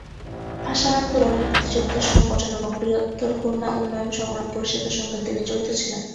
ভাষা আন্দোলন, মুক্তিযুদ্ধের সংগঠন এবং বৃহত্তর খুলনা উন্নয়ন সংগ্রাম পরিষদের সঙ্গে তিনি জড়িত ছিলেন।